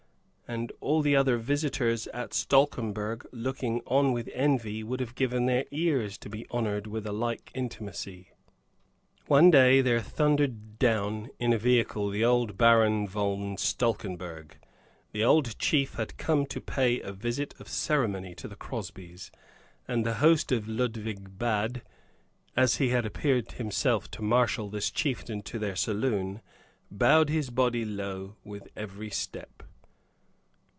And the other visitors at Stalkenberg looking on with envy, would have given their ears to be honored with a like intimacy. One day there thundered down in a vehicle the old Baron von Stalkenberg. The old chief had come to pay a visit of ceremony to the Crosbys. And the host of the Ludwig Bad, as he appeared himself to marshal this chieftain to their saloon, bowed his body low with every step.